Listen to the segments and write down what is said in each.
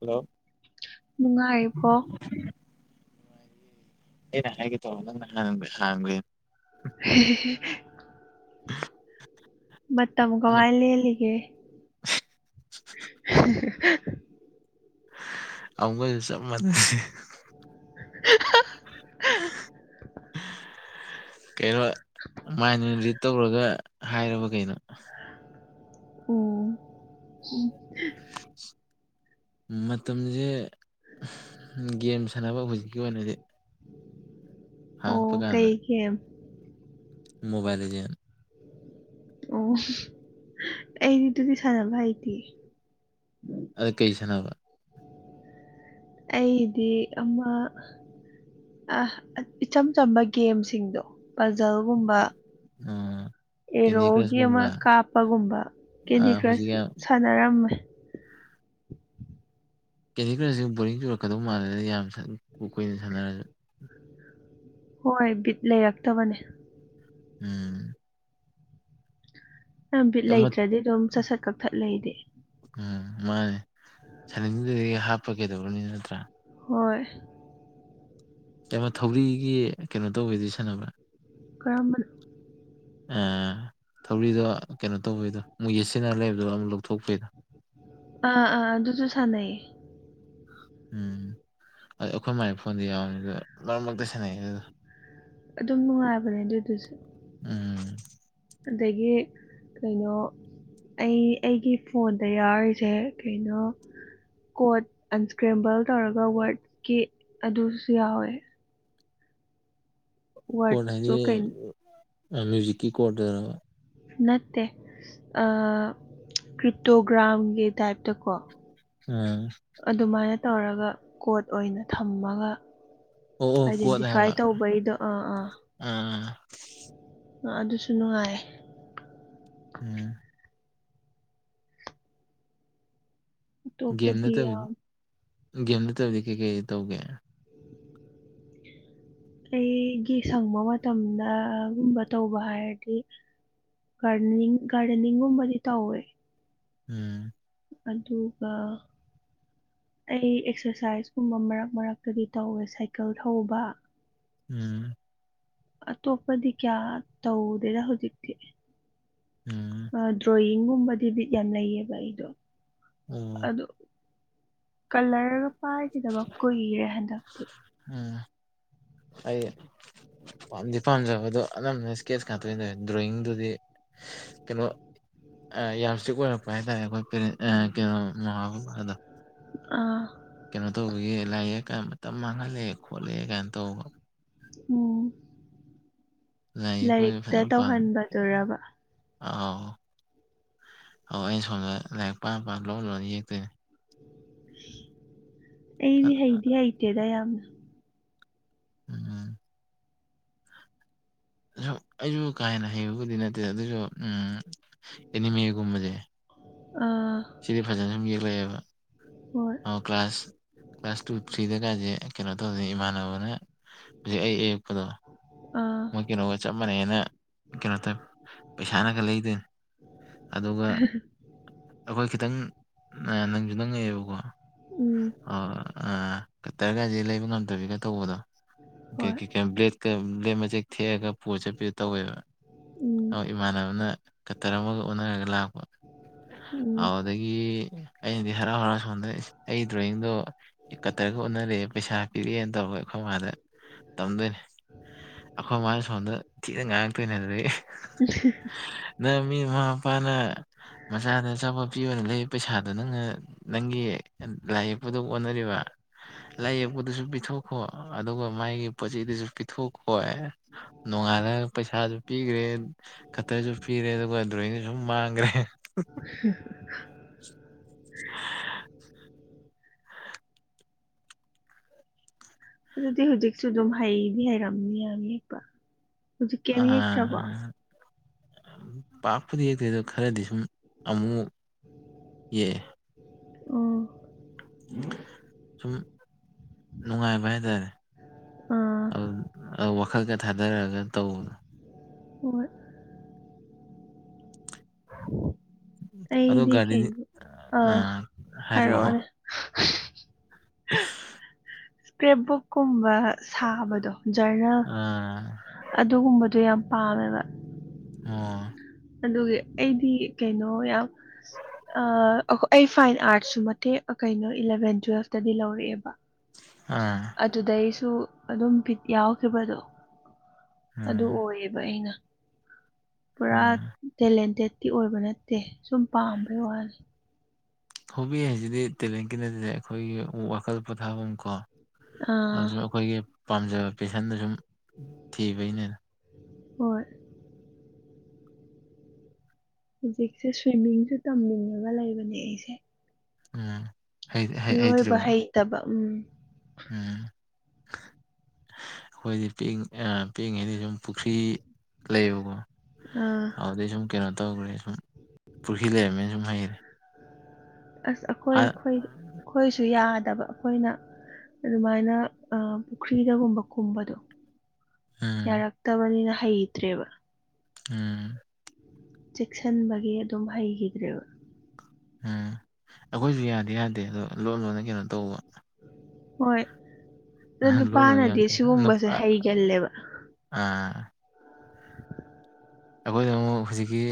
Hello ꯅꯨꯡꯉꯥꯏꯔꯤꯕꯣ? ꯑꯩꯅ ꯍꯥꯏꯒꯦ ꯇꯧꯔ ꯅꯪꯅ ꯍꯥꯟ ꯍꯥꯟꯒ꯭ꯔꯦ꯫ [unintelligible] ꯃꯇꯝ ꯀꯃꯥꯏ ꯂꯦꯜꯂꯤꯒꯦ? [unintelligible] ꯑꯃꯨꯒꯁꯨ ꯆꯞ ꯃꯥꯟꯅꯩ [unintelligible] ꯃꯥꯏꯟ ꯔꯤꯠ ꯇꯧꯔꯒ ꯍꯥꯏꯔꯕ ꯀꯩꯅꯣ? ꯑꯣ [unintelligible] ꯃꯇꯝ ꯖꯦ ꯒꯦꯝ ꯁꯥꯟꯅꯕ ꯍꯧꯖꯤꯛꯀꯤ ꯑꯣꯏꯅꯗꯤ꯫ ꯍꯥꯡꯉꯛꯄ ꯑꯣ ꯀꯥꯟꯗ ꯀꯩ ꯈꯦꯝ ꯃꯣꯕꯥꯏꯜ ꯂꯤ ꯖꯦꯟ ꯑꯣ ꯑꯩꯗꯤ ꯑꯗꯨꯗꯤ ꯁꯥꯟꯅꯕ ꯍꯥꯏꯇꯦ꯫ ꯑꯗ ꯀꯩ ꯁꯥꯟꯅꯕ? ꯑꯩꯗꯤ ꯑꯃ ꯑꯥ ꯏꯆꯝ ꯆꯝꯕ ꯒꯦꯝꯁꯤꯡꯗꯣ ꯄꯖꯜꯒꯨꯝꯕ ꯀꯦꯟꯗꯤ ꯑꯦꯔꯣꯒꯤ ꯑꯃ ꯀ꯭ꯔꯁꯀꯨꯝꯕ ꯀꯥꯞꯄꯒꯨꯝꯕ ꯀꯦꯟꯗꯤ ꯍꯧꯖꯤꯛ ꯀ꯭ꯔꯁ ꯌꯥꯝ ꯁꯥꯟꯅꯔꯝꯃꯦ ꯀꯦꯟꯗꯤꯀ꯭ꯔꯁꯤꯡ ꯕꯣꯔꯤꯡ ꯆꯨꯔꯛꯀꯗꯧ ꯃꯥꯟꯗ ꯌꯥꯝ ꯀꯣꯏꯅ ꯁꯥꯟꯅꯔꯁꯨ ꯍꯣꯏ ꯕꯤꯠ ꯂꯩꯔꯛꯇꯕꯅꯦ ꯎꯝ ꯕꯤꯠ ꯑꯃ ꯂꯩꯇ꯭ꯔꯗꯤ ꯑꯗꯨꯝ ꯆꯠꯁꯠ ꯀꯛꯊꯠ ꯂꯩꯗꯤ ꯎꯝ ꯃꯥꯅꯦ ꯁꯟꯅꯤꯡꯗꯨꯗꯒꯤ ꯍꯥꯞꯄ ꯀꯩꯗꯧꯕꯅꯤ ꯅꯠꯇ꯭ꯔꯥ ꯍꯣꯏ ꯀꯩꯅꯣ ꯊꯧꯔꯤꯒꯤ ꯀꯩꯅꯣ ꯇꯧꯕꯗꯨ ꯁꯥꯟꯅꯕ꯭ꯔꯥ ꯀꯔ ꯑꯥ ꯊꯧꯔꯤꯗꯣ ꯀꯩꯅꯣ ꯇꯧꯕꯩꯗꯣ ꯃꯣꯏ ꯌꯦꯠꯁꯤꯟꯅ ꯂꯩꯕꯗꯣ ꯑꯃꯨꯛ ꯂꯧꯊꯣꯛꯄꯩꯗꯣ ꯑꯥ ꯑꯥ ꯑꯗꯨꯁꯨ ꯁꯥꯟꯅꯩꯌꯦ ꯎꯝ ꯑꯗꯨ ꯑꯩꯈꯣꯏ ꯃꯥꯏ ꯐꯣꯟꯗꯤ ꯌꯥꯎꯕꯅꯤ ꯑꯗꯨ ꯃꯔꯛ ꯃꯔꯛꯇ ꯁꯦꯟꯅꯩ ꯑꯗꯨꯗ ꯑꯗꯨꯝ ꯅꯨꯡꯉꯥꯏꯕꯅꯦ ꯑꯗꯨꯗꯨꯁꯨ ꯎꯝ ꯑꯗꯒꯤ ꯀꯩꯅꯣ ꯑꯩ ꯑꯩꯒꯤ ꯐꯣꯟꯗ ꯌꯥꯎꯔꯤꯁꯦ ꯀꯩꯅꯣ ꯀꯣꯗ ꯑꯟꯁꯀ꯭ꯔꯦꯝꯕꯜ ꯇꯧꯔꯒ ꯋꯥꯔꯗꯀꯤ ꯑꯗꯨꯁꯨ ꯌꯥꯎꯋꯦ ꯀꯣꯔꯠ ꯋꯥꯔꯗꯁꯨ ꯍꯥꯏꯗꯤ ꯀꯩ ꯃ꯭ꯌꯨꯖꯤꯛꯀꯤ ꯀꯣꯔꯠꯇ ꯑꯣꯏ ꯅꯠꯇꯦ ꯀ꯭ꯔꯤꯇꯣꯒ꯭ꯔꯥꯝꯒꯤ ꯇꯥꯏꯞꯇꯀꯣ ꯑꯝ ꯑꯗꯨꯃꯥꯏꯅ ꯇꯧꯔꯒ ꯀꯣꯔꯣꯠ ꯑꯣꯏꯅ ꯊꯝꯃꯒ ꯑꯣ ꯑꯣ ꯑꯥꯏꯗꯦꯟꯇꯤꯐꯥꯏ ꯇꯧꯕꯩꯗꯣ ꯑꯥ ꯑꯥ ꯑ ꯑꯗꯨꯁꯨ ꯅꯨꯡꯉꯥꯏ ꯎꯝ ꯒꯦꯝ ꯑꯇꯣꯞꯄꯗꯤ ꯅꯠꯇꯕ ꯌꯥꯝ ꯒꯦꯝ ꯅꯠꯇꯕꯗꯤ ꯀꯩꯀꯩ ꯇꯧꯒꯦ ꯄ [unintelligible] [inaudible] ꯑꯩꯒꯤ ꯁꯪꯕ ꯃꯇꯝꯗꯒꯨꯝꯕ ꯇꯧꯕ ꯍꯥꯏꯔꯗꯤ ꯒꯥꯔꯗꯅꯤꯡ ꯒꯥꯔꯗꯦꯅꯤꯡꯒꯨꯝꯕꯗꯤ ꯇꯧꯋꯦ ꯎꯝ ꯑꯗꯨꯒ ꯑꯩ ꯑꯦꯛꯁꯔꯁꯥꯏꯁꯀꯨꯝꯕ ꯃꯔꯛ ꯃꯔꯛꯇꯒꯤ ꯇꯧꯋꯦ ꯁꯥꯏꯀꯜ ꯊꯧꯕ ꯎꯝ ꯑꯇꯣꯞꯄꯗꯤ ꯀꯌꯥ ꯇꯧꯗꯦꯗ ꯍꯧꯖꯤꯛꯇꯤ ꯎꯝ ꯗ꯭ꯔꯣꯣꯌꯤꯡ ꯒꯨꯝꯕꯗꯤ ꯕꯤꯠ ꯌꯥꯝ ꯂꯩꯌꯦꯕ ꯑꯩꯗꯣ ꯑ ꯑꯣ ꯀꯂꯔꯒ ꯄꯥꯏꯈꯤꯗꯕ ꯀꯨꯏꯔꯦ ꯍꯟꯗꯛꯇꯤ ꯎꯝ ꯑꯩ ꯄꯥꯝꯗꯤ ꯄꯥꯝꯖꯕ ꯑꯗꯣ ꯑꯅꯝꯕꯅ ꯏꯁꯀꯦꯠꯁ ꯉꯥꯛꯇꯣꯛꯣꯏ ꯇꯦ ꯗ꯭ꯔꯣꯣꯌꯤꯡꯗꯨꯗꯤ ꯀꯩꯅꯣ ꯌꯥꯝ ꯏꯁꯤꯛ ꯑꯣꯏꯔꯛꯄ ꯍꯥꯏꯇꯥꯔꯦ ꯑꯩꯈꯣꯏ ꯀ ꯀꯩꯅꯣ ꯃꯃꯥ ꯕꯕꯥꯗ ꯑ [unintelligible] ꯀꯩꯅꯣ ꯇꯧꯕꯒꯤ ꯂꯥꯏ ꯌꯦꯛ ꯀꯥꯏ ꯃꯇꯝ ꯃꯥꯡꯍꯜꯂꯑꯦ ꯈꯣꯠꯂꯛꯑꯦ ꯀꯥꯏꯅ ꯇꯧꯕ ꯑꯣ ꯂꯥꯏꯌꯦ ꯑꯩꯈꯣꯏꯁꯨ ꯐꯖꯅ ꯄꯥꯝꯉꯤ ꯇꯧꯍꯟꯕꯗꯨꯔꯕ ꯑ ꯑꯥꯎ ꯑꯧ ꯑꯩꯅ ꯁꯣꯝꯗ ꯂꯥꯏꯔꯤꯛ ꯄꯥꯝ ꯄꯥ ꯂꯣꯏ ꯂꯣꯏꯅ ꯌꯦꯛꯇꯣꯏꯅꯦ ꯑꯩꯕꯤ ꯍꯥꯏꯗꯤ ꯍꯥꯏ ꯏꯇꯦꯗ ꯌꯥꯝꯕꯅ [inaudible] ꯑ ꯑꯩꯁꯨ ꯀꯥ ꯍꯦꯟꯅ ꯍꯩꯕꯕꯨꯗꯤ ꯅꯠꯇꯦ ꯑꯗꯨꯁꯨ ꯎꯝ ꯑꯦꯅꯤꯃꯦꯒꯨꯝꯕꯁꯦ ꯑꯥ ꯁꯤꯗꯤ ꯐꯖꯅ ꯁꯨꯝ ꯌꯦꯛꯂꯛꯑꯦꯕ ꯍꯣꯏ ꯑꯣ ꯀ꯭ꯂꯥꯁ ꯀ꯭ꯂꯥꯁ ꯇꯨ ꯊ꯭ꯔꯤꯗ ꯀꯁꯦ ꯀꯩꯅꯣ ꯇꯧꯁꯦ ꯏꯃꯥꯟꯅꯕꯅ ꯍꯧꯖꯤꯛ ꯑꯩ ꯑꯦ ꯀꯗ ꯑꯥ ꯃꯣꯏ ꯀꯩꯅꯣꯒ ꯆꯞ ꯃꯥꯟꯅꯅ ꯀꯩꯅꯣ ꯇꯧ ꯄꯩꯁꯥꯅꯒ ꯂꯩꯗꯣꯏꯅꯤ ꯑꯗꯨꯒ ꯑꯩꯈꯣꯏ ꯈꯤꯇꯪ ꯅꯪꯁꯨ ꯅꯪꯉꯛꯑꯦꯕꯀꯣ ꯎꯝ ꯑꯣ ꯀꯇꯔꯒꯗꯤ ꯂꯩꯕ ꯉꯝꯗꯕꯤꯒ ꯇꯧꯕꯗꯣ ꯍꯣꯏ ꯀ꯭ꯂꯦꯠ ꯀ꯭ꯂ ꯃꯖꯤ ꯊꯦ ꯄꯣꯠ ꯆꯠꯄꯤꯗ ꯇꯧꯋꯦꯕ ꯎꯝ ꯏꯃꯥꯟꯅꯕꯅ ꯀꯇꯔ ꯑꯃꯒ ꯑꯣꯟꯅꯔꯒ ꯂꯥꯛꯄ ꯎꯝ ꯑꯗꯨꯗꯒꯤ ꯑꯩꯅꯗꯤ ꯍꯔꯥꯎ ꯍꯔꯥꯎ ꯁꯣꯝꯗꯗꯤ ꯑꯩ ꯗ꯭ꯔꯣꯋꯤꯡꯗꯣ ꯀꯇꯔꯒ ꯑꯣꯟꯅꯔꯛꯑꯦ ꯄꯩꯁꯥ ꯄꯤꯔꯛꯑꯦꯅ ꯇꯧꯔꯒ ꯑꯩꯈꯣꯏ ꯃꯥꯥꯗ ꯇꯝꯗꯣꯏꯅꯦ ꯑꯩꯈꯣꯏ ꯃꯥꯅ ꯁꯣꯟꯝꯗ ꯊꯤꯅ ꯉꯥꯡꯉꯛꯇꯣꯏꯅ ꯑꯗꯨꯗꯒꯤ [inaudible] [unintelligible] ꯃꯆꯥꯗ ꯑꯆꯥꯄ ꯄꯤꯕ ꯑꯣꯏꯅ ꯂꯩ ꯄꯩꯁꯥꯗꯣ ꯅꯪꯅ ꯅꯪꯒꯤ ꯂꯥꯏ ꯌꯦꯛꯄꯨꯗ ꯑꯣꯟꯅꯔꯤꯕ ꯂꯥꯏ ꯌꯦꯛꯄꯗꯨꯁꯨ ꯄꯤꯊꯣꯛꯈꯣ ꯑꯗꯨꯒ ꯃꯥꯒꯤ ꯄꯣꯠ ꯆꯩꯗꯨꯁꯨ ꯄꯤꯊꯣꯛꯈꯣ ꯅꯣꯡꯉꯥꯜꯂ ꯄꯩꯁꯥꯁꯨ ꯄꯤꯈ꯭ꯔꯦ ꯈꯛꯇꯔꯁꯨ ꯄꯤꯔꯦ ꯑꯗꯨꯒ ꯗ꯭ꯔꯣꯋꯤꯡꯗꯨ ꯁꯨꯝ ꯃꯥꯡꯈ꯭ꯔꯦ ꯍ [inaudible] ꯑꯗꯨꯗꯤ ꯍꯧꯖꯤꯛꯁꯨ ꯑꯗꯨꯝ ꯍꯩꯗꯤ ꯍꯩꯔꯝꯅꯤ ꯌꯥꯝ ꯌꯦꯛꯄ ꯍꯧꯖꯤꯛ ꯀꯝ ꯌꯦꯛꯇ꯭ꯔꯕꯣ ꯄꯥꯛꯄꯨꯗꯤ ꯌꯦꯛꯇꯦ ꯑꯗ ꯈꯔꯗꯤ ꯁꯨꯝ ꯑꯃꯨꯛ ꯌꯦꯛꯑꯦ ꯑꯣ ꯁꯨꯝ ꯅꯨꯡꯉꯥꯏꯕ ꯍꯥꯏꯇꯥꯔꯦ ꯑꯥ ꯑꯗꯨ ꯑꯗꯨ ꯋꯥꯈꯜꯒ ꯊꯥꯗꯔꯛꯑꯒ ꯇꯧ [inaudible] [unintelligible] ꯑꯗꯣ ꯑꯩꯗꯤ ꯀꯩ ꯒꯥꯔꯗꯦꯅꯤꯡ ꯑꯥ ꯍꯥꯏꯔꯛꯑꯣ ꯍꯥꯏꯔꯛꯑꯣꯅꯦꯦ ꯁꯄ꯭ꯔꯦꯞꯕꯨꯛ ꯀꯨꯝꯕ ꯁꯥꯕꯗꯣ ꯖꯔꯅꯦꯜ ꯑꯥ ꯑꯗꯨꯒꯨꯝꯕꯗꯣ ꯌꯥꯝ ꯄꯥꯝꯃꯦꯕ ꯑꯣ ꯑꯗꯨꯒꯤ ꯑꯩꯗꯤ ꯀꯩꯅꯣ ꯌꯥꯝ ꯑꯥ ꯑꯩꯈꯣꯏ ꯐꯥꯏꯟ ꯑꯥꯔꯠꯁꯨ ꯃꯇꯦꯛ ꯀꯩꯅꯣ ꯏꯂꯚꯦꯟ ꯇꯨꯋꯦꯜꯐꯇꯗꯤ ꯂꯧꯔꯛꯑꯦꯕ ꯑ ꯑꯗꯨꯗꯦꯏ ꯑꯩꯁꯨ ꯑꯗꯨꯝ ꯕꯤꯠ ꯌꯥꯎꯈꯤꯕꯗꯣ ꯑꯗꯨ ꯎꯝ ꯑꯣꯏꯌꯦꯕ ꯑꯩꯅ ꯄꯨꯔꯥ ꯎꯝ ꯇꯦꯂꯦꯟꯇꯦꯠꯀꯤꯤ ꯑꯣꯏꯕ ꯅꯠꯇꯦ ꯁꯨꯝ ꯄꯥꯝꯕꯩ ꯋꯥꯅꯤ ꯍꯣꯕꯤ ꯍꯥꯏꯁꯤꯗꯤ ꯇꯦꯂꯦꯟꯀꯤ ꯅꯠꯇꯦ ꯑꯩꯈꯣꯏꯒꯤ ꯋꯥꯈꯜ ꯄꯣꯊꯥꯐꯝ ꯀꯣ ꯑꯥ ꯑꯗꯨꯁꯨ ꯑꯩꯈꯣꯏꯒꯤ ꯄꯥꯝꯖꯕ ꯄꯦꯁꯟꯗ ꯁꯨꯝ ꯊꯤꯕꯩꯅꯦꯅ ꯍꯣꯌ ꯍꯧꯖꯤꯛꯁꯦ ꯁ꯭ꯋꯤꯝꯃꯤꯡꯁꯨ ꯇꯝꯅꯤꯡꯉꯒ ꯂꯩꯕꯅꯦ ꯑꯩꯁꯦ [inaudible] [unintelligible] ꯏꯔꯣꯏꯕꯥ ꯍꯩꯇ꯭ꯔꯤꯕ ꯍꯩꯇꯕꯥ ꯏꯝ ꯎꯝ ꯑꯩꯈꯣꯏꯗꯤ ꯄꯤ ꯑ ꯄꯤꯛꯏꯉꯩꯗꯤ ꯁꯨꯝ ꯄꯨꯈ꯭ꯔꯤ ꯂꯩꯕꯀꯣ ꯑꯥ ꯑꯗꯨꯩ ꯁꯨꯝ ꯀꯩꯅꯣ ꯇꯧꯈ꯭ꯔꯦ ꯁꯨꯝ ꯄꯨꯈ꯭ꯔꯤ ꯂꯩꯔꯝꯃꯦꯅ ꯁꯨꯝ ꯍꯩꯈꯔꯦ ꯑꯁ ꯑꯩꯈꯣꯏ ꯑꯩꯈꯣꯏꯁꯨ ꯌꯥꯗꯕ ꯑꯩꯈꯣꯏꯅ ꯑꯗꯨꯃꯥꯏꯅ ꯄꯨꯈ꯭ꯔꯤꯗꯒꯨꯝꯕ ꯀꯨꯝꯕꯗꯣ ꯎꯝ ꯌꯥꯔꯛꯇꯕꯅꯤꯅ ꯍꯩꯇ꯭ꯔꯦꯕ ꯎꯝ ꯆꯦꯛꯁꯤꯟꯕꯒꯤ ꯑꯗꯨꯝ ꯍꯩꯈꯤꯗ꯭ꯔꯦꯕ ꯎꯝ ꯑꯩꯈꯣꯏꯁꯨ ꯌꯥꯗꯦ ꯌꯥꯗꯦ ꯑꯗꯣ ꯂꯣꯟ ꯂꯣꯟꯅ ꯀꯩꯅꯣ ꯇꯧꯕ ꯍꯣꯏ ꯑꯗꯣ ꯂꯣꯟ ꯂꯣꯟꯅ ꯌꯥꯝ ꯅꯨꯄꯥꯅꯗꯤ ꯁꯤꯒꯨꯝꯕꯁꯦ ꯍꯩꯒꯜꯂꯦꯕ ꯑꯥ ꯑꯩꯈꯣꯏꯗ ꯑꯃꯨꯛ ꯍꯧꯖꯤꯛꯀꯤ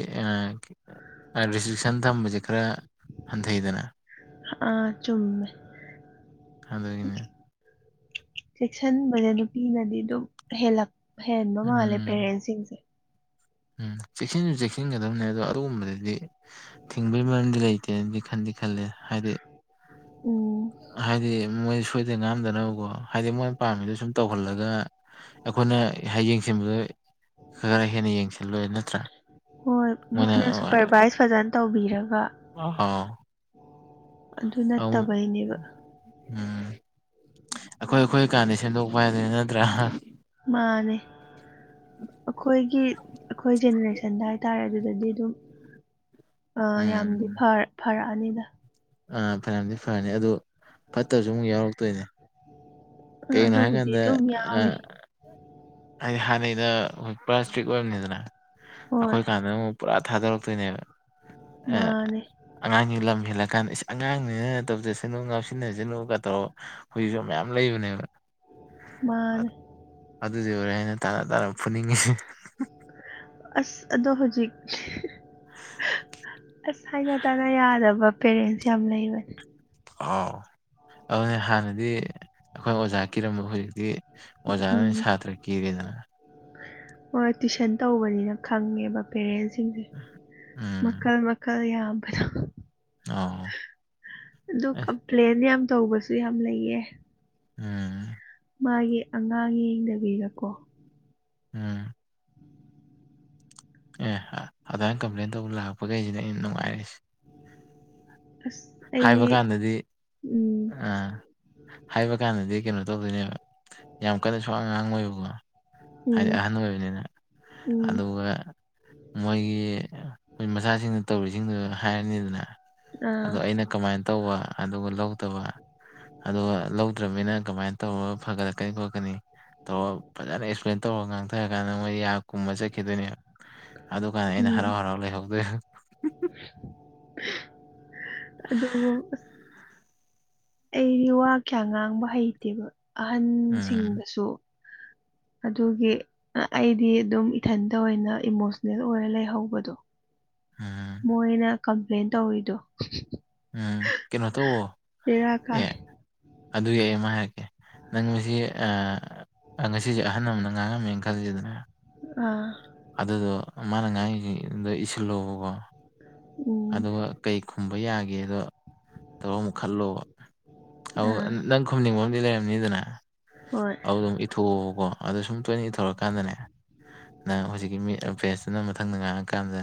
ꯔꯦꯁꯇ꯭ꯔꯤꯛꯁꯟ ꯊꯝꯕꯁꯦ ꯈꯔ ꯍꯟꯊꯩꯗꯅ ꯑꯥ ꯆꯨꯝꯃꯦ ꯑꯗꯨꯗꯒꯤꯅꯦ ꯆꯦꯛꯁꯤꯟꯕꯅꯦ ꯅꯨꯄꯤꯅꯗꯤ ꯑꯗꯨꯝ ꯍꯂꯛ ꯍꯦꯟꯕ ꯃꯥꯜꯂꯦ ꯎꯝ ꯄꯦꯔꯦꯟꯁꯁꯤꯡꯁꯦ ꯎꯝ ꯆꯦꯛꯁꯤꯟꯁꯨ ꯆꯦꯛꯁꯤꯟꯒꯗꯕꯅꯦ ꯑꯗꯣ ꯑꯗꯨꯒꯨꯝꯕꯗꯗꯤ ꯊꯤꯡꯕꯒꯤ ꯃꯔꯝꯗꯤ ꯂꯩꯇꯦꯅꯗꯤ ꯈꯟꯗꯤ ꯈꯂꯦ ꯍꯥꯏꯗꯤ ꯎꯝ ꯍꯥꯏꯗꯤ ꯃꯣꯏ ꯁꯣꯏꯗꯅ ꯉꯥꯝꯗꯅꯕꯀꯣ ꯍꯥꯏꯗꯤ ꯃꯣꯏꯅ ꯄꯥꯝꯃꯤꯗꯨꯣ ꯁꯨꯝ ꯇꯧꯍꯜꯂꯒ ꯑꯩꯈꯣꯏꯅ ꯌꯦꯡꯁꯤꯟꯕꯗ ꯈꯔ ꯍꯦꯟꯅ ꯌꯦꯡꯁꯤꯜꯂꯣꯏ ꯅꯠꯇ꯭ꯔꯥ ꯍꯣꯏ ꯃꯣꯏꯅ ꯁꯨꯄꯔꯚꯥꯏꯁ ꯐꯖꯅ ꯇꯧꯕꯤꯔꯒ ꯑꯣ ꯑꯗꯨ ꯑ ꯎꯝ ꯅꯠꯇꯕꯩꯅꯦꯕ ꯑꯩꯈꯣꯏ ꯑꯩꯈꯣꯏ ꯀꯥꯟꯗ ꯁꯦꯝꯗꯣꯛꯄ ꯍꯥꯏꯗꯅ ꯅꯠꯇ꯭ꯔꯥ ꯃꯥꯅꯦ ꯑꯩꯈꯣꯏꯒꯤ ꯑꯩꯈꯣꯏ ꯖꯦꯅꯦꯔꯦꯁꯟꯗ ꯍꯥꯏꯇꯥꯔꯦ ꯑꯗꯨꯗꯗꯤ ꯑꯗꯨꯝ ꯑꯥ ꯌꯥꯝꯗꯤ ꯎꯝ ꯐꯔꯛꯑꯅꯤꯗ ꯑꯥ ꯐꯔꯗꯤ ꯐꯔꯅꯤ ꯑꯗꯨ ꯐꯠꯇꯕꯁꯨ ꯑꯃꯨꯛ ꯌꯥꯎꯔꯛꯇꯣꯏꯅꯦ ꯑ ꯀꯩꯒꯤꯅꯣ ꯑꯗꯨꯕꯨꯗꯤ ꯍꯥꯏꯀꯥꯟꯗ ꯑꯗꯨꯝ ꯌꯥꯎꯅꯤ ꯍꯥꯏꯗꯤ ꯍꯥꯟꯅꯩꯩꯅꯣꯏ ꯄꯨꯔꯥ ꯏꯁꯇ꯭ꯔꯤꯛ ꯑꯣꯏꯔꯝꯅꯤꯗꯅ ꯍꯣꯏ ꯑꯩꯈꯣꯏ ꯀꯥꯟꯗ ꯑꯃꯨꯛ ꯄꯨꯔꯥ ꯊꯥꯗꯣꯔꯛꯇꯣꯏꯅꯦꯕ ꯃꯥꯅꯦ ꯑꯉꯥꯡꯁꯤꯡ ꯂꯝ ꯍꯦꯜꯂ ꯀꯥꯟꯗ ꯑꯉꯥꯡꯅꯤꯅ ꯇꯧꯗꯁꯅꯨ ꯉꯥꯎꯁꯤꯟꯅꯁꯅꯨꯒ ꯇꯧꯔꯣ ꯍꯧꯖꯤꯁꯨ ꯃꯌꯥꯝ ꯂꯩꯕꯅꯦꯕ ꯃꯥꯅꯦ ꯑꯗꯨꯗꯤ ꯑꯣꯏꯔꯦ ꯍꯥꯏꯅ ꯇꯥꯅ ꯇꯥꯅ ꯐꯨꯅꯤꯡꯉꯤ ꯑꯁ ꯑꯗꯣ ꯍꯧꯖꯤꯛ ꯑꯁ ꯍꯥꯏꯅ ꯇꯅ ꯌꯥꯗꯕ ꯄꯦꯔꯦꯟꯁ ꯌꯥꯝ ꯂꯩꯕꯅꯦ ꯑꯥꯎ ꯑꯗꯨꯅꯦ ꯍꯥꯟꯅꯗꯤ ꯑꯩꯈꯣꯏꯅ ꯑꯣꯖꯥ ꯀꯤꯔꯝꯕ ꯍꯧꯖꯤꯛꯇꯤ ꯑꯣꯖꯥꯅ ꯎꯝ ꯁꯥꯇ꯭ꯔ ꯀꯤꯔꯦꯗꯅ ꯍꯣꯏ ꯇꯨꯋꯁꯟ ꯇꯧꯕꯅꯤꯅ ꯈꯪꯉꯦꯕ ꯄꯦꯔꯦꯟꯁ ꯁꯤꯡꯁꯦ ꯎꯝ ꯃꯈꯜ ꯃꯈꯜ ꯌꯥꯝꯕꯗꯣ ꯑ ꯑꯗꯨ ꯀꯝꯄ꯭ꯂꯦꯟ ꯌꯥꯝ ꯇꯧꯕꯁꯨ ꯌꯥꯝ ꯂꯩꯌꯦ ꯎꯝ ꯃꯥꯒꯤ ꯑꯉꯥꯡ ꯌꯦꯡꯗꯕꯤꯒꯀꯣ ꯎꯝ ꯑꯦ ꯑꯗꯨꯗꯥꯃꯥꯏꯅ ꯀꯝꯄ꯭ꯂꯦꯟ ꯇꯧꯕ ꯂꯥꯛꯄꯈꯩꯁꯤꯅꯦ ꯑꯩꯅ ꯅꯨꯡꯉꯥꯏꯔꯤꯁꯦ ꯑꯁ ꯍꯥꯏꯕ ꯑꯩꯗꯤ ꯀꯥꯟꯗꯗꯤ ꯎꯝ ꯑ ꯍꯥꯏꯕ ꯀꯥꯟꯗꯗꯤ ꯀꯩꯅꯣ ꯇꯧꯗꯣꯏꯅꯦꯕ ꯌꯥꯝ ꯀꯟꯅ ꯁꯋꯥ ꯉꯥꯡꯉꯣꯏꯕꯀꯣ ꯍꯥꯏꯗꯤ ꯎꯝ ꯑꯍꯟ ꯑꯣꯏꯕꯅꯤꯅ ꯎꯝ ꯑꯗꯨꯒ ꯃꯣꯏꯒꯤ ꯃꯣꯏ ꯃꯆꯥꯁꯤꯡꯅ ꯇꯧꯔꯤꯁꯤꯡꯗꯨ ꯍꯥꯏꯔꯅꯤꯗꯅ ꯑꯥ ꯑꯗꯣ ꯑꯩꯅ ꯀꯃꯥꯏꯅ ꯇꯧꯕ ꯑꯗꯨꯒ ꯂꯧꯗꯕ ꯑꯗꯨꯒ ꯂꯧꯗ꯭ꯔꯃꯤꯅ ꯀꯃꯥꯏꯅ ꯇꯧꯔꯒ ꯐꯒꯠꯂꯛꯀꯅꯤ ꯈꯣꯠꯀꯅꯤ ꯇꯧꯔ ꯐꯖꯅ ꯑꯦꯛꯁꯄꯂꯦꯟ ꯇꯧꯔꯒ ꯉꯥꯡꯊꯔ ꯀꯥꯟꯗ ꯃꯣꯏ ꯌꯥꯝ ꯈꯨꯝꯃ ꯆꯠꯈꯤꯗꯣꯏꯅꯦ ꯑꯗꯨꯀꯥꯟꯗ ꯑꯩꯅ ꯎꯝ ꯍꯔꯥꯎ ꯍꯔꯥꯎ ꯂꯩꯍꯧꯗꯣꯏꯅꯦ ꯑꯗꯨꯕꯨ ꯑꯩꯗꯤ ꯋꯥ ꯀꯌꯥ ꯉꯥꯡꯕ ꯍꯩꯇꯦꯕ ꯎꯝ ꯑꯍꯟꯁꯤꯡꯗꯁꯨ ꯑꯗꯨꯒꯤ ꯑꯩꯗꯤ ꯑꯗꯨꯝ ꯏꯊꯟꯇ ꯑꯣꯏꯅ ꯏꯃꯣꯁꯅꯦꯜ ꯑꯣꯏꯔ ꯂꯩꯍꯧꯕꯗꯣ [unintelligible] ꯃꯣꯏꯅ ꯀꯝꯄꯂꯦꯟ ꯇꯧꯋꯤꯗꯣ ꯑꯥ ꯀꯩꯅꯣ ꯇꯥꯎꯋꫭ ꯀꯥꯏ ꯑꯦ ꯑꯗꯨꯏ ꯑꯩ ꯑꯃꯥ ꯍꯥꯏꯔꯛꯀꯦ ꯅꯪ ꯉꯁꯤ ꯑꯥ ꯑꯥ ꯉꯁꯤꯖꯦ ꯑꯍꯟ ꯑꯃꯅ ꯉꯥꯡ ꯉꯝꯃꯦꯅ ꯈꯜꯂꯖꯤꯗꯅ ꯑꯥ ꯑꯗꯨꯗꯣ ꯃꯥꯅ ꯉꯥꯡꯉꯤꯖꯦ ꯂꯣꯏ ꯏꯁꯤꯜꯂꯣꯕꯀꯣ ꯎꯝ ꯑꯗꯨꯒ ꯀꯩ ꯈꯨꯝꯕ ꯌꯥꯒꯦꯗꯣ ꯇꯧꯔ ꯑꯃꯨꯛ ꯈꯜꯂꯣꯕ ꯑꯗꯨꯒ ꯑꯥ ꯅꯪ ꯈꯝꯅꯤꯡꯕ ꯑꯃꯥꯗꯤ ꯂꯩꯔꯝꯅꯤꯗꯅ ꯍꯣꯏ ꯑꯗꯨꯗꯣ ꯑꯃꯨꯛ ꯏꯊꯣꯛꯑꯣꯕꯀꯣ ꯑꯗꯨ ꯁꯨꯝ ꯇꯣꯏꯅ ꯏꯊꯣꯔꯛꯑꯀꯥꯟꯗꯅꯦ ꯅꯪ ꯍꯧꯖꯤꯛꯀꯤ ꯃꯤ ꯐ꯭ꯔꯦꯟꯁꯇꯨꯅ ꯃꯊꯪꯗ ꯉꯥꯡꯉꯥꯛꯀꯥꯟꯗ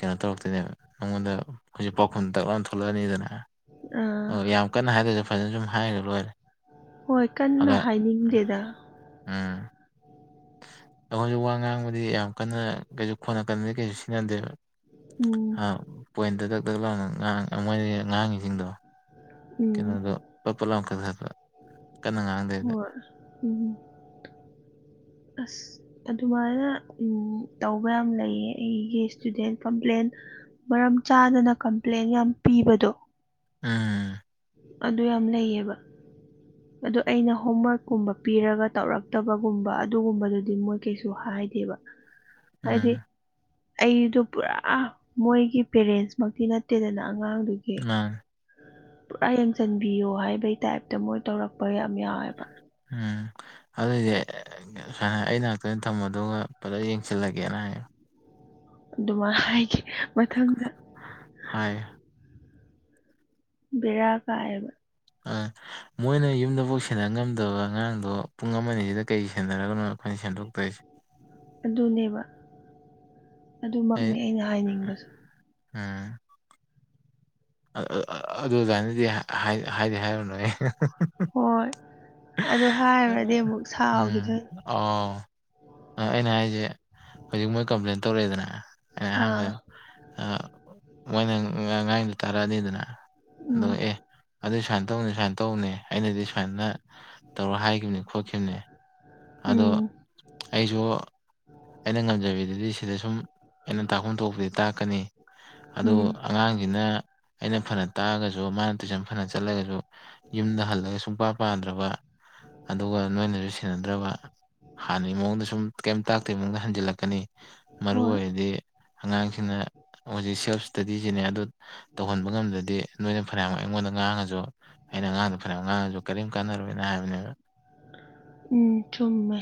ꯀꯩꯅꯣ ꯇꯧꯔꯛꯇꯣꯏꯅꯦꯕ ꯅꯪꯉꯣꯟꯗ ꯍꯧꯖꯤꯛ ꯄꯥꯎꯈꯨꯝ ꯇꯛꯂꯥꯎꯅ ꯊꯣꯛꯂꯛꯑꯅꯤꯗꯅ ꯑꯥ ꯑꯣ ꯌꯥꯝ ꯀꯟꯅ ꯍꯥꯏꯗ꯭ꯔꯖꯨ ꯐꯖꯅ ꯁꯨꯝ ꯍꯥꯏꯈꯔ ꯂꯣꯏꯔꯦ ꯍꯣꯏ ꯀꯟꯅ ꯑꯗ ꯍꯥꯏꯅꯤꯡꯗꯦꯗ ꯎꯝ ꯑꯩꯈꯣꯏꯖꯨ ꯋꯥ ꯉꯥꯡꯕꯗꯤ ꯌꯥꯝ ꯀꯟꯅ ꯀꯩꯁꯨ ꯈꯣꯟ ꯑꯀꯟꯕꯗꯤ ꯀꯩꯁꯨ ꯁꯤꯖꯤꯟꯅꯗꯦꯕ ꯎꯝ [unintelligible] ꯄꯣꯏꯟꯇ ꯗꯛ ꯗꯛ ꯂꯥꯎꯅ ꯉꯥꯡ ꯃꯣꯏꯅ ꯉꯥꯡꯉꯤꯖꯤꯡꯗꯣ ꯎꯝ ꯀꯩꯅꯣꯗꯣ ꯄꯠ ꯄꯠ ꯂꯥꯎꯅ ꯀꯠꯊꯠꯄ ꯀꯟꯅ ꯉꯥꯡꯗꯦꯗ ꯍꯣꯏ ꯎꯝ ꯑꯁ ꯑꯗꯨꯃꯥꯏꯅ ꯎꯝ ꯇꯧꯕ ꯌꯥꯝ ꯂꯩꯌꯦ ꯑꯩꯒꯤ ꯏꯁꯇꯨꯗꯦꯟ ꯀꯝꯄ꯭ꯂꯦꯟ ꯃꯔꯝ ꯆꯥꯗꯅ ꯀꯝꯄ꯭ꯂꯦꯟ ꯌꯥꯝ ꯄꯤꯕꯗꯣ ꯎꯝ ꯑꯗꯨ ꯌꯥꯝ ꯂꯩꯌꯦꯕ ꯑꯗꯣ ꯑꯩꯅ ꯍꯣꯝꯋꯥꯔꯛ ꯀꯨꯝꯕ ꯄꯤꯔꯒ ꯇꯧꯔꯛꯇꯕꯒꯨꯝꯕ ꯑꯗꯨꯒꯨꯝꯕꯗꯨꯗꯤ ꯃꯣꯏ ꯀꯩꯁꯨ ꯍꯥꯏꯗꯦꯕ ꯍꯥꯏꯗꯤ ꯎꯝ ꯑꯩꯗꯣ ꯄꯨꯔꯥ ꯃꯣꯏꯒꯤ ꯄꯦꯔꯦꯟꯁꯃꯛꯇꯤ ꯅꯠꯇꯦꯗꯅ ꯑꯉꯥꯡꯗꯨꯒꯤ ꯃꯥꯅꯤ ꯄꯨꯔꯥ ꯌꯦꯡꯖꯟꯕꯤꯌꯣ ꯍꯥꯏꯕꯩ ꯇꯥꯏꯌꯦꯞꯇ ꯃꯣꯏ ꯇꯧꯔꯛꯄ ꯌꯥꯝ ꯌꯥꯎꯋꯦꯕ ꯎꯝ ꯑꯗꯨꯏꯗꯤ ꯁꯨꯃꯥꯏꯅ ꯑꯩ ꯅꯥꯛꯇ ꯑꯣꯏꯅ ꯊꯝꯃꫭ ꯑꯗꯨꯒ ꯐꯖꯅ ꯌꯦꯡꯁꯤꯜꯂꯒꯦꯅ ꯍꯥꯏꯌꯦ ꯑꯗꯨꯃꯥꯏ ꯍꯥꯏꯒꯦ ꯃꯊꯪꯗ ꯍꯥꯏꯌꯦ ꯕꯦꯔꯥ ꯀꯥꯏꯌꯦꯕ ꯑꯥ ꯃꯣꯏꯅ ꯌꯨꯝꯗꯐꯥꯎ ꯁꯦꯟꯅ ꯉꯝꯗꯕ ꯑꯉꯥꯡꯗꯣ ꯄꯨꯡ ꯑꯃ ꯑꯅꯤꯁꯤꯗ ꯀꯩ ꯁꯦꯟꯅꯔꯒꯅꯣ ꯑꯩꯈꯣꯏꯅ ꯁꯦꯝꯗꯣꯛꯇꯣꯏꯁꯦ ꯑꯗꯨꯅꯦꯕ ꯑꯗꯨꯃꯛꯅꯤ ꯑꯩꯅ ꯍꯥꯏꯅꯤꯡꯕꯁꯨ ꯑꯥ ꯑꯥ ꯑꯥ ꯑꯥ ꯑꯗꯨ ꯑꯗꯨꯋꯥꯏꯅꯗꯤ ꯍꯥꯏꯗꯤ ꯍꯥꯏꯔꯨꯅꯨꯍꯦ ꯍꯣꯏ ꯑꯗꯨ ꯍꯥꯏꯔꯨꯔꯗꯤ ꯑꯃꯨꯛ ꯎꯝ ꯁꯥꯎꯈꯤꯗꯨꯏ ꯑꯥꯎ ꯑꯩꯅ ꯍꯥꯏꯁꯦ ꯍꯧꯖꯤꯛ ꯃꯣꯏ ꯀꯝꯄ꯭ꯂꯦꯟ ꯇꯧꯔꯛꯑꯦꯗꯅ ꯑꯩ ꯑꯥ ꯑꯍꯥꯟꯕꯩꯗꫭ ꯑꯥ ꯃꯣꯏꯅ ꯉꯥꯡꯏꯗꯨ ꯇꯥꯔꯛꯑꯅꯤꯗꯅ ꯑꯗꯣ ꯎꯝ ꯑꯦ ꯑꯗꯨ ꯁꯨꯃꯥꯏꯅ ꯇꯧꯅꯤ ꯁꯨꯃꯥꯏꯅ ꯇꯧꯅꯤ ꯑꯩꯅꯗꯤ ꯁꯨꯃꯥꯏꯅ ꯇꯧꯔꯥ ꯍꯥꯏꯈꯤꯕꯅꯦ ꯈꯣꯠꯈꯤꯕꯅꯦ ꯑꯗꯣ ꯎꯝ ꯑꯩꯁꯨ ꯑꯩꯅ ꯉꯝꯖꯕꯤꯗꯗꯤ ꯁꯤꯗ ꯁꯨꯝ ꯑꯩꯅ ꯇꯥꯛꯐꯝ ꯊꯣꯛꯄꯗꯤ ꯇꯥꯛꯀꯅꯤ ꯑꯗꯨ ꯎꯝ ꯑꯉꯥꯡꯁꯤꯅ ꯑꯩꯅ ꯐꯅ ꯇꯥꯛꯑꯒꯁꯨ ꯃꯥꯅ ꯇꯨꯏꯁꯟ ꯐꯅ ꯆꯠꯂꯒꯁꯨ ꯌꯨꯝꯗ ꯍꯜꯂꯒ ꯁꯨꯡꯄꯥ ꯄꯥꯗ꯭ꯔꯕ ꯑꯗꯨꯒ ꯅꯣꯏꯅꯁꯨ ꯁꯦꯟ ꯗꯔ꯭ꯕ ꯍꯥꯟꯅꯩ ꯃꯑꯣꯡꯗ ꯁꯨꯝ ꯀꯩꯝꯇꯥ ꯀꯩꯅꯣꯅ ꯍꯟꯖꯤꯜꯂꯛꯀꯅꯤ ꯃꯔꯨ ꯍꯣꯏ ꯑꯣꯏꯔꯤꯗꯤ ꯑꯉꯥꯡꯁꯤꯡꯅ ꯍꯧꯖꯤꯛ ꯁꯦꯜꯞ ꯏꯁꯇꯗꯤꯁꯤꯅꯦ ꯑꯗꯨ ꯇꯧꯍꯟꯕ ꯉꯝꯗ꯭ꯔꯗꯤ ꯅꯣꯏꯅ ꯐꯩꯅꯥꯝ ꯑꯩꯉꯣꯟꯗ ꯉꯥꯡꯉꯁꯨ ꯑꯩꯅ ꯑꯉꯥꯡꯗ ꯐꯩꯅꯥꯝ ꯑꯉꯥꯡꯉꯥꯁꯨ ꯀꯔꯤꯝ ꯀꯥꯟꯅꯔꯣꯏꯅ ꯍꯥꯏꯕꯅꯦꯕ ꯎꯝ ꯆꯨꯝꯃꯦ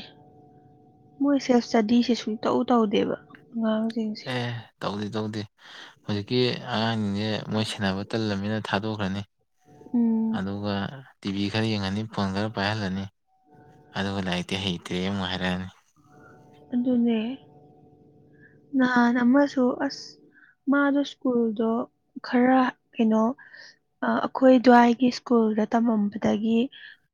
ꯃꯣꯏ ꯁꯦꯜꯐ ꯏꯁꯇꯗꯤꯁꯦ ꯁꯨꯡꯇꯧ ꯇꯧꯗꯦꯕ ꯑꯉꯥꯡꯁꯤꯡꯁꯦ ꯑꯦ ꯇꯧꯗꯦ ꯇꯧꯗꯦ ꯍꯧꯖꯤꯛꯀꯤ ꯑꯉꯥꯡꯁꯤꯡꯁꯦ ꯃꯣꯏ ꯁꯦꯟꯅꯕ ꯇꯜꯂꯃꯤꯅ ꯊꯥꯗꯣꯛꯈ꯭ꯔꯅꯤ ꯎꯝ ꯑꯗꯨꯒ ꯇꯤꯚꯤ ꯈꯔ ꯌꯦꯡꯍꯟꯅꯤ ꯐꯣꯟ ꯈꯔ ꯄꯥꯏꯍꯜꯂꯅꯤ ꯑꯗꯨꯒ ꯂꯥꯏꯔꯤꯛꯇꯤ ꯍꯩꯇ꯭ꯔꯦ ꯑꯃꯨꯛ ꯍꯥꯏꯔꯛꯑꯅꯤ ꯑꯗꯨꯅꯦ ꯅꯍꯥꯟ ꯑꯃꯁꯨ ꯑꯁ ꯃꯥꯗꯣ ꯁ꯭ꯀꯨꯜꯗꯣ ꯈꯔ ꯀꯩꯅꯣ ꯑꯩꯈꯣꯏ ꯑꯗꯨꯋꯥꯏꯒꯤ ꯁ꯭ꯀꯨꯜꯗ ꯇꯝꯃꯝꯕꯗꯒꯤ